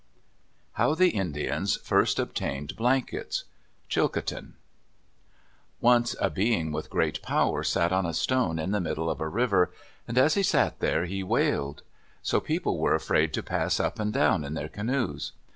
HOW THE INDIANS FIRST OBTAINED BLANKETS Chilcotin Once a Being with great power sat on a stone in the middle of a river, and as he sat there, he wailed. So people were afraid to pass up and down in their canoes.